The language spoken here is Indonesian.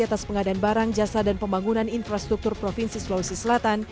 atas pengadaan barang jasa dan pembangunan infrastruktur provinsi sulawesi selatan